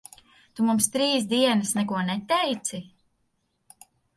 Tu mums trīs dienas neko neteici?